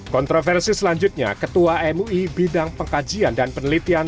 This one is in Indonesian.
kontroversi selanjutnya ketua mui bidang pengkajian dan penelitian